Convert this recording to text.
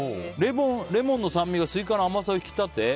レモンの酸味がスイカの甘さを引き立て